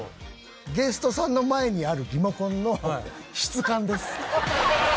ゲストさんの前にあるリモコンの質感です。